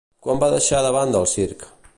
Quan va deixar de banda el circ?